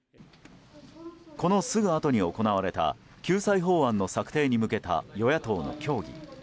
このすぐあとに行われた救済法案の策定に向けた与野党の協議。